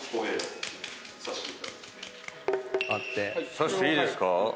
刺していいですか？